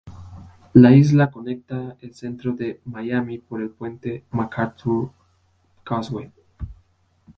La isla conecta el centro de Miami por el puente MacArthur Causeway.